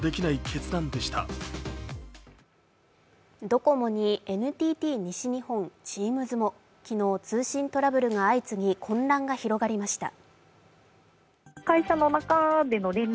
ドコモにＮＴＴ西日本、Ｔｅａｍｓも、昨日、通信トラブルが相次ぎ、混乱が広がりました。